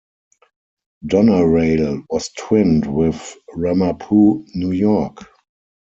Doneraile was twinned with Ramapo, New York.